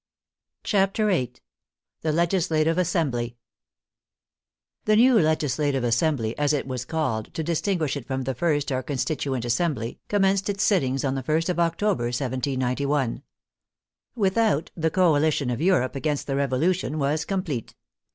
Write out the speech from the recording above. CHAPTER VIII THE LEGISLATIVE ASSEMBLY The new Legislative Assembly, as it was called, to distinguish it from the first or Constituent Assembly, commenced its sittings on the ist of October, 1791. Without, the_coalition of Europe against the Revolution was complete.